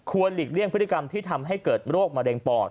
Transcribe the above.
หลีกเลี่ยงพฤติกรรมที่ทำให้เกิดโรคมะเร็งปอด